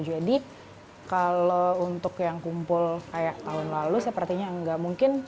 jadi kalau untuk yang kumpul kayak tahun lalu sepertinya nggak mungkin